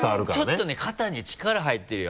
ちょっとね肩に力入ってるよ